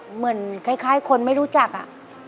เหมือนคล้ายคนไม่รู้จักอะ